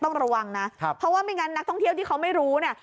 ต้องระวังนะเพราะว่าไม่งั้นนักท่องเที่ยวที่เขาไม่รู้เนี่ย